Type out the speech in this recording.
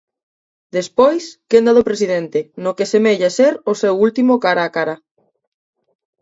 Despois, quenda do presidente, no que semella ser o seu último cara a cara...